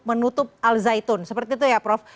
menutup alzaitun seperti itu ya prof